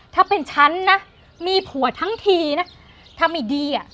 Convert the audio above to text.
ถ้าเป็นฉันนะมีผัวทั้งทีนะถ้าไม่ดีอ่ะ